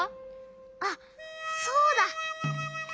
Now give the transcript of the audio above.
あっそうだ！